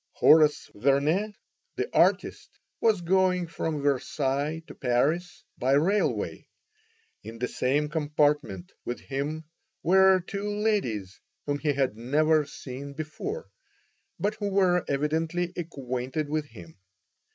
Horace Vernet, the artist, was going from Versailles to Paris by railway. In the same compartment with him were two ladies whom he had never seen before, but who were evidently acquainted with him.